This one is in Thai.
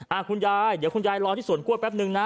คุณยายเดี๋ยวคุณยายรอที่สวนกล้วยแป๊บนึงนะ